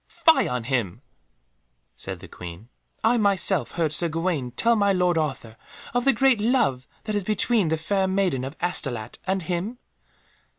"Fie on him!" said the Queen, "I myself heard Sir Gawaine tell my lord Arthur of the great love that is between the Fair Maiden of Astolat and him."